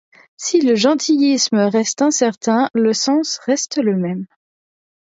Si le gentilice reste incertain, le sens reste le même.